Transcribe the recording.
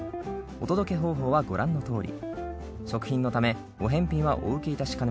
お支払い方法はご覧のとおり。